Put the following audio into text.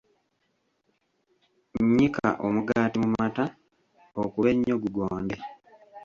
Nnyika omugaati mu mata, okube nnyo gugonde.